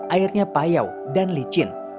airnya payau dan licin